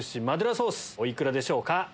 お幾らでしょうか？